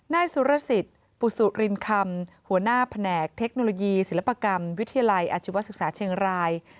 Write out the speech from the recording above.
นายสุรสิทธิ์ปุสุรินคำหัวหน้าแผนกเทคโนโลยีศิลปกรรมวิทยาลัยอาชีวศึกษาเชียงราย